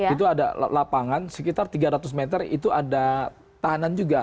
itu ada lapangan sekitar tiga ratus meter itu ada tahanan juga